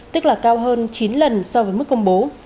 tức là cao hơn chín lần so với mức công bố